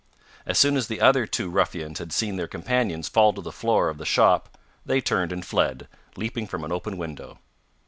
As soon as the other two ruffians had seen their companions fall to the floor of the shop they turned and fled, leaping from an open window.